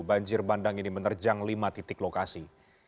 banjir bandang ini menerjang lima titik lokasi